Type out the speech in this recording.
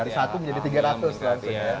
dari satu menjadi tiga ratus langsung ya